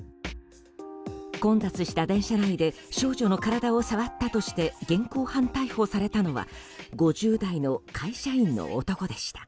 混雑した電車内で少女の体を触ったとして現行犯逮捕されたのは５０代の会社員の男でした。